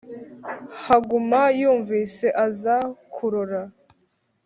Haguma yumvise aza kurora;